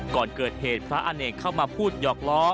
ก่อนเกิดเหตุพระอเนกเข้ามาพูดหยอกล้อ